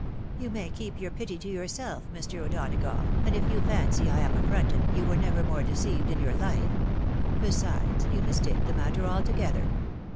" You may keep your pity to yourself, Mr. O'Donagough ; and if you fancy I am affronted, you were never more deceived in your hfe. Besides, you mistake the matter altogether.